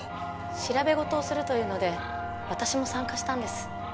調べ事をするというので私も参加したんです。